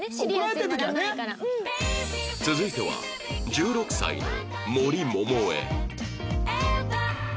続いては１６歳の森萌々穂